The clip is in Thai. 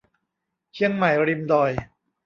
เชียงใหม่ริมดอย